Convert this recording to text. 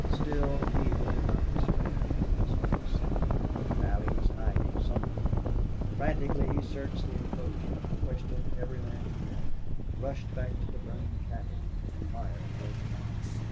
Still Neale did not despair, though his heart sank. Allie was hiding somewhere. Frantically he searched the inclosure, questioned every man he met, rushed back to the burning cabin, where the fire drove him out.